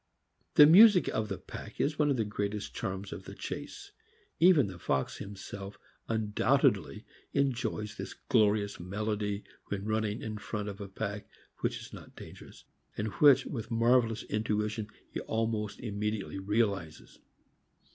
The music of the pack is one of the greatest charms of the chase. Even the fox himself undoubtedly enjoys this glorious melody when running in front of a pack which is not dangerous, and which, with marvelous intuition, he almost immediately realizes.